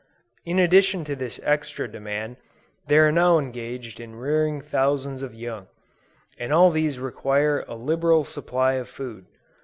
In addition to this extra demand, they are now engaged in rearing thousands of young, and all these require a liberal supply of food.